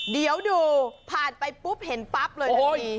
เดี๋ยวดูผ่านไปปุ๊บเห็นปั๊บเลยทันที